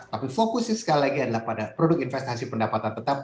tapi fokusnya sekali lagi adalah pada produk investasi pendapatan tetap